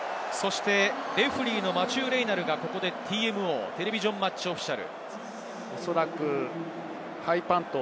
レフェリーのマチュー・レイナルが、ＴＭＯテレビジョン・マッチ・オフィシャル。